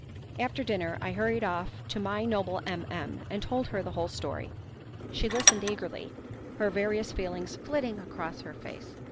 After dinner I hurried off to my noble M M , and told her the whole story. She listened eagerly, her various feelings flitting across her face.